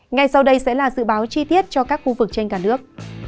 ngay sau đây sẽ là dự báo chi tiết cho các khu vực trên cả nước